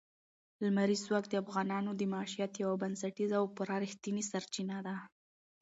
لمریز ځواک د افغانانو د معیشت یوه بنسټیزه او پوره رښتینې سرچینه ده.